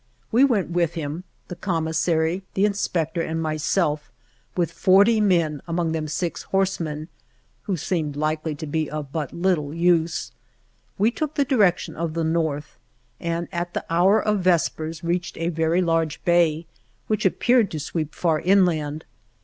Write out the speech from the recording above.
We went with him the com missary, the inspector and myself, with forty men, among them six horsemen, who seemed likely to be of but little use. We took the direction of the north, and at the hour of vespers reached a very large bay, which appeared to sweep far inland.